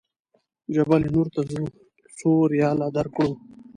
جبل نور ته ځو څو ریاله درکړو.